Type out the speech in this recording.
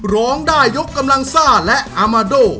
ร้องได้ยกกำลังซ่าและอามาโด